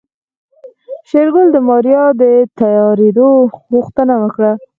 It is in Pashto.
شېرګل د ماريا د تيارېدو غوښتنه وکړه.